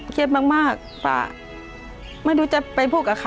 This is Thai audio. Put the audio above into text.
เดี๋ยวรักญาติยัยที่สุดเลยล่ะเลยค่ะ